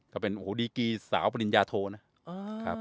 ก็เป็นโหดีกีสาวปริญญาโทนะ